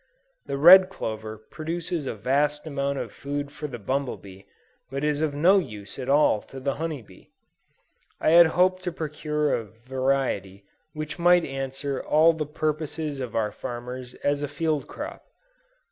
The red clover produces a vast amount of food for the bumble bee, but is of no use at all to the honey bee. I had hoped to procure a variety which might answer all the purposes of our farmers as a field crop.